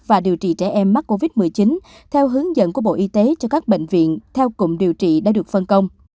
và điều trị trẻ em mắc covid một mươi chín theo hướng dẫn của bộ y tế cho các bệnh viện theo cụm điều trị đã được phân công